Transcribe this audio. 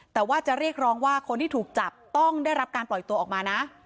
แต่ว่าจะเรียกร้องว่าคนที่ถูกจับต้องได้รับการปล่อยตัวออกมานะ